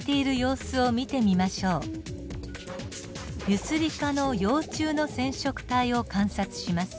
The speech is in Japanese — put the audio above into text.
ユスリカの幼虫の染色体を観察します。